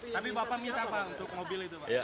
tapi bapak minta apa untuk mobil itu pak